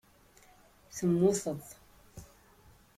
Temmuteḍ.